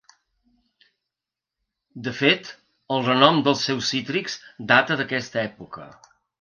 De fet el renom dels seus cítrics data d’aquesta època.